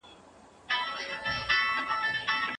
یوې تنکۍ ولسواکۍ په هېواد کي ساه ورکړه.